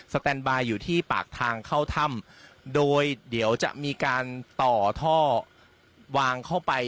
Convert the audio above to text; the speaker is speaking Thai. แตนบายอยู่ที่ปากทางเข้าถ้ำโดยเดี๋ยวจะมีการต่อท่อวางเข้าไป